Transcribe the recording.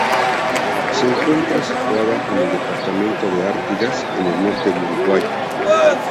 Se encuentra situada en el departamento de Artigas, en el norte de Uruguay.